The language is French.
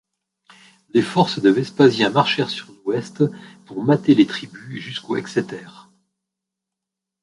Les forces de Vespasien marchèrent sur l'Ouest pour mater les tribus jusqu'au Exeter.